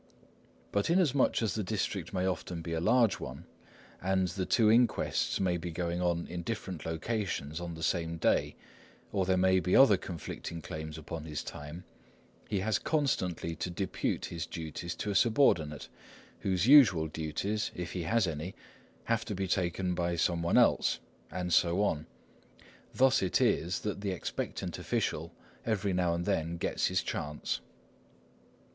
But inasmuch as the district may often be a large one, and two inquests may be going on in two different directions on the same day, or there may be other conflicting claims upon his time, he has constantly to depute his duties to a subordinate, whose usual duties, if he has any, have to be taken by some one else, and so on. Thus it is that the expectant official every now and then gets his chance.